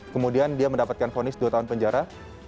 kemudian dia mendapatkan ponis dua tahun penjara